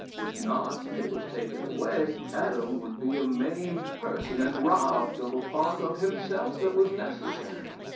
If not, when it was taken away, Adam would be a maimed person, and robbed of a part of himself that was necessary.